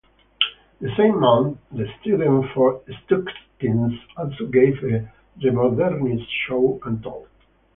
The same month the "Students for Stuckism" also gave "a Remodernist show and talk.